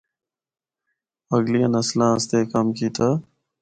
اگلیاں نسلاں اسطے اے کم کیتا۔